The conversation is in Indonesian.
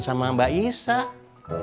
sama mbak isah